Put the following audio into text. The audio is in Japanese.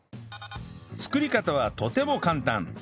作り方はとても簡単